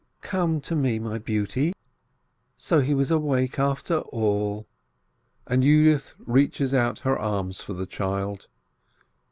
"Come to me, my beauty! So he was awake after all!" and Yudith reaches out her arms for the child.